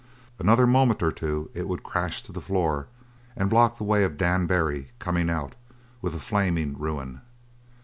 Another moment or two it would crash to the floor and block the way of Dan Barry, coming out, with a flaming ruin.